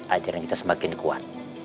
ajaran kita semakin kuat